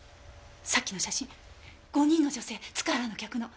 さっきの写真５人の女性塚原の客の。